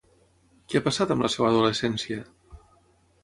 Què ha passat amb la seva adolescència?